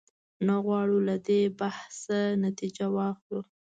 نه غواړو له دې بحثه نتیجه واخلو.